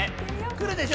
くるでしょ？